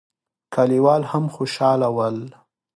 کليوال هم خوشاله ول.